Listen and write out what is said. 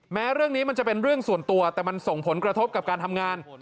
แม้เรื่องนี้มันจะเป็นเรื่องส่วนตัวแต่มันส่งผลกระทบกับการทำงาน